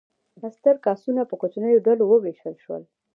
ستر کاستونه په کوچنیو ډلو وویشل شول.